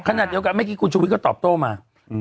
ขนาดเดียวกันเมื่อกี้คุณชุวิตก็ตอบโต้มา